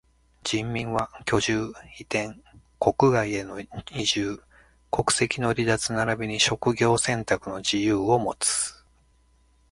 人民は居住、移転、国外への移住、国籍の離脱ならびに職業選択の自由をもつ。